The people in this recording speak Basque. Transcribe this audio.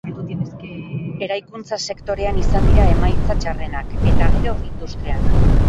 Eraikuntza sektorean izan dira emaitza txarrenak, eta gero industrian.